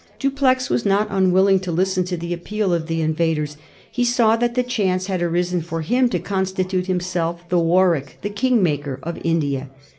Dupleix was not unwilling to listen to the appeal of the invaders. He saw that the chance had arisen for him to constitute himself the Warwick, the king maker, of India.